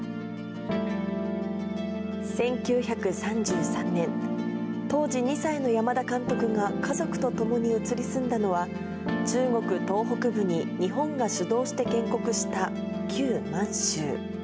１９３３年、当時２歳の山田監督が家族と共に移り住んだのは、中国東北部に、日本が主導して建国した旧満州。